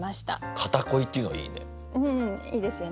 「片恋」っていうのがいいね。